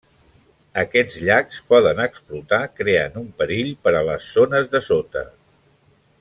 Aquests llacs poden explotar, creant un perill per a les zones de sota.